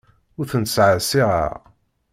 Ur tent-ttṣeɛṣiɛeɣ.